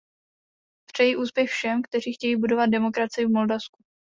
Přeji úspěch všem, kteří chtějí budovat demokracii v Moldavsku.